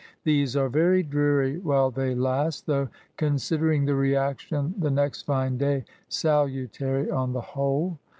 These are very dreary while they last ; though, considering the reaction, the next fine day, salutary on the whole.